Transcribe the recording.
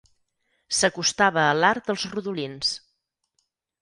S'acostava a l'art dels rodolins.